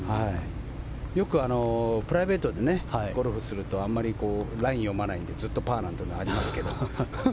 よく、プライベートでゴルフするとあまりラインを読まないのでずっとパーなんていうのはありますけど。